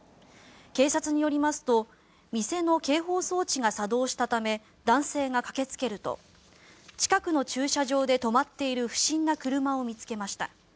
警察によりますと店の警報装置が作動したため男性が駆けつけると近くの駐車場で止まっている不審な車を見つけました。